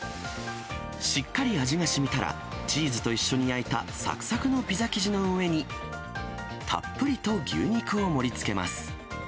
しっかり味がしみたら、チーズと一緒に焼いたさくさくのピザ生地の上に、たっぷりと牛肉を盛りつけます。